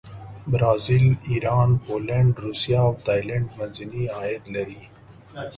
برازیل، ایران، پولینډ، روسیه او تایلنډ منځني عاید لري.